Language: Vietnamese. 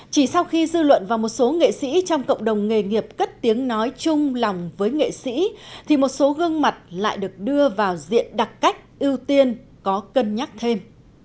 chỉ sau khi dư luận và một số nghệ sĩ trong cộng đồng nghề nghiệp cất tiếng nói chung lòng với nghệ sĩ thì một số gương mặt lại được đưa vào diện đặc cách ưu tiên có cân nhắc thêm